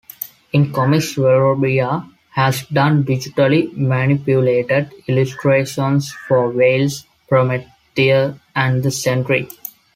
In comics, Villarrubia has done digitally manipulated illustrations for "Veils", "Promethea" and "The Sentry".